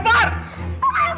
lonceng kurang ajar